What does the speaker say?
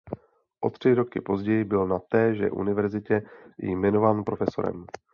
O tři roky později byl na téže universitě jmenován profesorem.